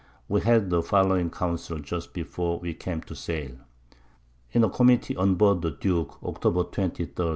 We held the following Council just before we came to sail. In a Committee on Board the Duke, Octob. 23. 1710.